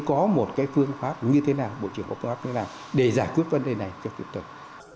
có một cái phương pháp như thế nào bộ trưởng có phương pháp như thế nào để giải quyết vấn đề này cho tiếp tục